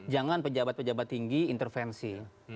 jangan pejabat pejabat tinggi intervensi